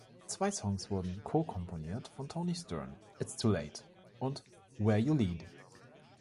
Zwei Songs wurden co-komponiert von Toni Stern: „It's Too Late“ und „Where You Lead“.